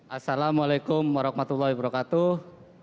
assalamualaikum warahmatullahi wabarakatuh